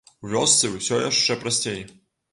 У вёсцы ўсё яшчэ прасцей.